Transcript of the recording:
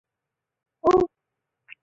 至和二年充镇海军节度使判亳州。